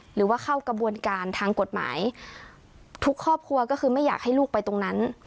หรือว่าเข้ากระบวนการทางกฎหมายทุกครอบครัวก็คือไม่อยากให้ลูกไปตรงนั้น